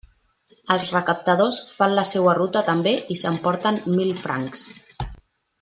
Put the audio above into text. Els recaptadors fan la seua ruta també i s'emporten mil francs.